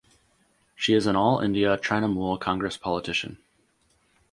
She is an All India Trinamool Congress politician.